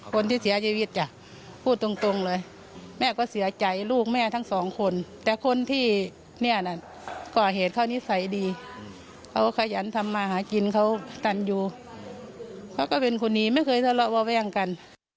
เขาก็เป็นคนนี้ไม่เคยทะเลาะว่าไว้อย่างกัน